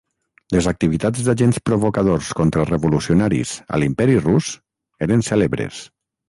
Les activitats d'agents provocadors contra revolucionaris a l'Imperi Rus eren cèlebres.